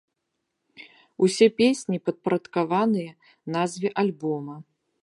Усе песні падпарадкаваныя назве альбома.